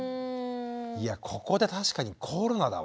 いやここで確かにコロナだわ。